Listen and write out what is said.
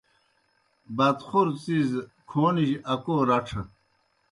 بادخور څیز کھونِجیْ اکو رڇھہ۔